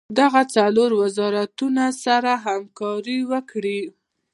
دغه څلور وزارتونه سره همکاري وکړي.